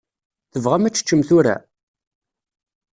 Tebɣam ad teččem tura?